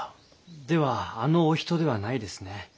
ではあのお人ではないですね。